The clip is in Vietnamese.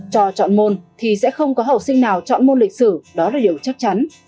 cho chọn môn thì sẽ không có học sinh nào chọn môn lịch sử đó là điều chắc chắn